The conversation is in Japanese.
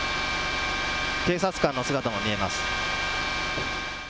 警察官の姿も見えます。